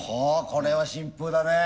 これは新風だね。